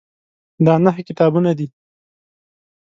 دا نهه کتابونه دي.